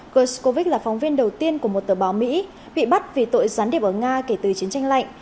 goscow là phóng viên đầu tiên của một tờ báo mỹ bị bắt vì tội gián điệp ở nga kể từ chiến tranh lạnh